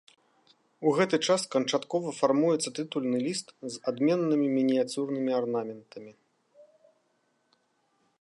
У гэты час канчаткова фармуецца тытульны ліст з адменнымі мініяцюрнымі арнаментамі.